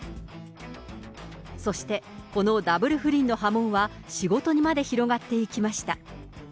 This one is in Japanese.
そして、このダブル不倫の波紋は仕事にまで広がっていきました。